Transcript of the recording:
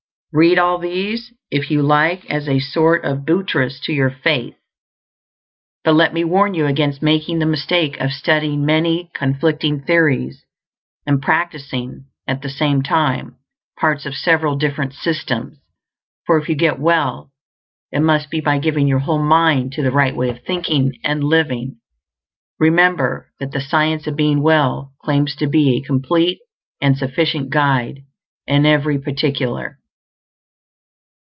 Read all these, if you like, as a sort of buttress to your faith; but let me warn you against making the mistake of studying many conflicting theories, and practicing, at the same time, parts of several different "systems"; for if you get well, it must be by giving your WHOLE MIND to the right way of thinking and living. Remember that the SCIENCE OF BEING WELL claims to be a complete and sufficient guide in every particular.